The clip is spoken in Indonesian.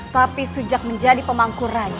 tapi sejak menjadi perempuan